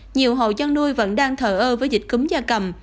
nhiều hậu chăn nuôi vẫn đang thở ơ với dịch cúm da cầm